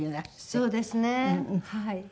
そうですねはい。